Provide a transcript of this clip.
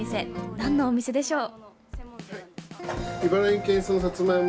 なんのお店でしょう。